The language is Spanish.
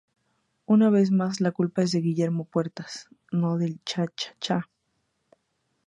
una vez más la culpa es de Guillermo Puertas, no del chachacha